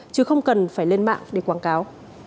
chứ không cần phải lên mạng để quảng cáo